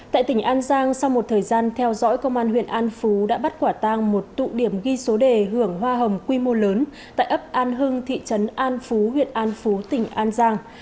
tại tỉnh an giang sau một thời gian theo dõi công an huyện an phú đã bắt quả tang một tụ điểm ghi số đề hưởng hoa hồng quy mô lớn tại ấp an hưng thị trấn an phú huyện an phú tỉnh an giang